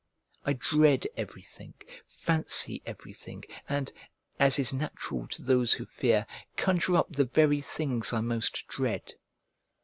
I dread everything, fancy everything, and, as is natural to those who fear, conjure up the very things I most dread.